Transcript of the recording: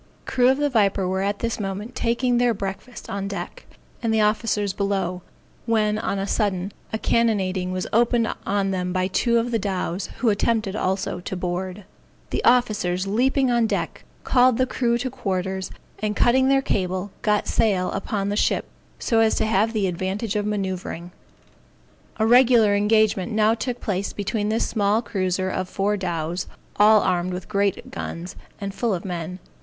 The crew of the Viper were at this moment taking their breakfast on deck, and the officers below; when on a sudden, a cannonading was opened on them by two of the dows, who attempted also to board. [Illustration: A Joassamee Dow in full chase.] The officers, leaping on deck, called the crew to quarters, and cutting their cable, got sail upon the ship, so as to have the advantage of manoeuvring. A regular engagement now took place between this small cruiser and four dows, all armed with great guns, and full of men.